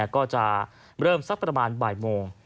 ก็จะเริ่มสักประมาณบ่ายโมง